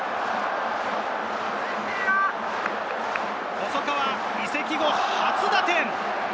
細川、移籍後初打点！